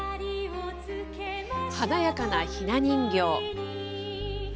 華やかなひな人形。